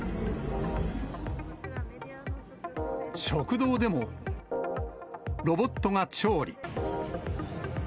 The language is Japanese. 食堂でもロボットが調理。